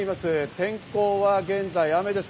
天候が現在雨です。